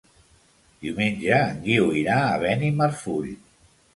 Diumenge en Guiu irà a Benimarfull.